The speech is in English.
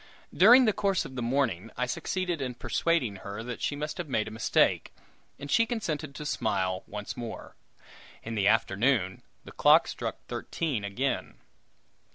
During the course of the morning, I succeeded in persuading her that she must have made a mistake, and she consented to smile once more. In the afternoon the clock struck thirteen again.